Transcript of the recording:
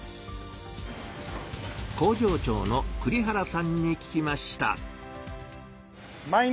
工場長の栗原さんに聞きました。